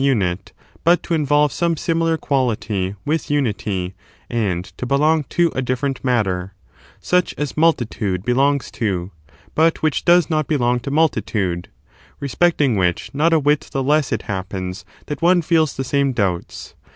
*^' unit, but to involve some similar quality with imity, and to belong to a 'different matter — such as multitude belongs to, but which does not belong to multitude — respect ing which not a whit the less it happens that one feels the same doubts.